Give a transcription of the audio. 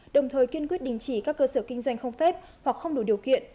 đồng thời kiên quyết đình chỉ các cơ sở kinh doanh không phép hoặc không đủ điều kiện